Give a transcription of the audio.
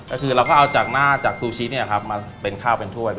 พี่ดีมครับนอกจากซีโครงหมูแล้ว